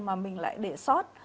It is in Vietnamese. mà mình lại để sót